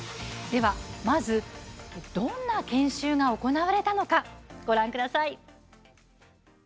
まず、どんな研修が行われたのかご覧ください。